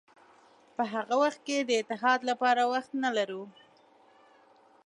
په هغه وخت کې د اتحاد لپاره وخت نه لرو.